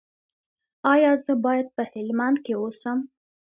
ایا زه باید په هلمند کې اوسم؟